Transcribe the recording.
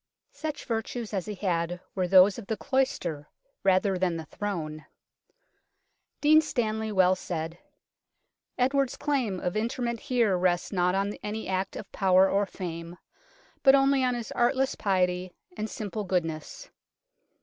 Such virtues as he had were those of the cloister rather than the throne. Dean Stanley well said :" Edward's claims of interment here rest not on any act of power or fame, but only on his artless piety, and simple goodness.